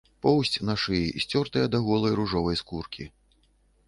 Поўсць на шыі сцёртая да голай ружовай скуркі.